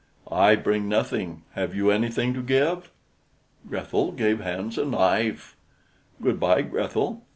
"I bring nothing. Have you anything to give?" Grethel gave Hans a knife. "Good by, Grethel."